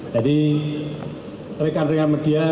jadi rekan rekan media